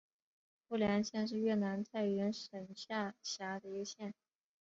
富良县是越南太原省下辖的一个县。